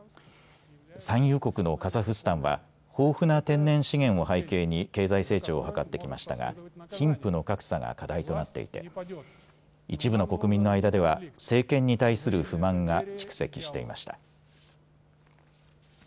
産油国のカザフスタンは豊富な天然資源を背景に経済成長を図ってきましたが貧富の格差が課題となっていて一部の国民の間では政権に対する不満が蓄積していました。